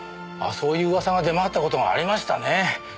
そういう噂が出回った事がありましたねえ。